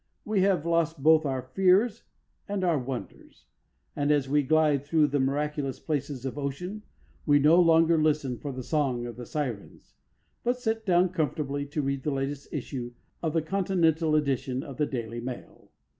We have lost both our fears and our wonders, and as we glide through the miraculous places of Ocean we no longer listen for the song of the Sirens, but sit down comfortably to read the latest issue of the Continental edition of the Daily Mail.